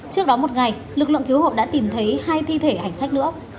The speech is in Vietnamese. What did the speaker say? trước đó một ngày lực lượng cứu hộ đã tìm thấy hai thi thể hành khách nữa